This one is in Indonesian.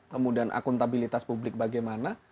kemudian akuntabilitas publik bagaimana